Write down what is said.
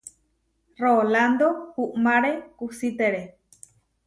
Rolando uʼmáre kusítere.